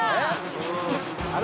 あれ？